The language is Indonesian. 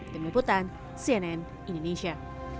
tim liputan cnn indonesia